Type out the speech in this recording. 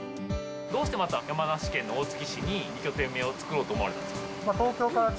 どうしてまた、山梨県の大月市に２拠点目を作ろうと思われたんですか？